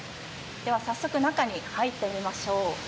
早速、中に入ってみましょう。